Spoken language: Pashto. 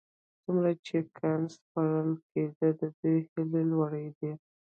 څومره چې کان سپړل کېده د دوی هيلې لوړېدې.